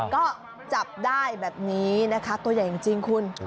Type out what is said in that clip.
ก็จับได้แบบนี้นะคะตัวใหญ่จริงคุณ